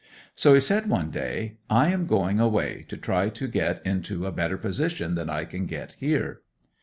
So he said one day, "I am going away, to try to get into a better position than I can get here."